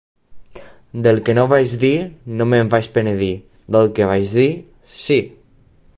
Del que no vaig dir, no me'n vaig penedir; del que vaig dir, sí.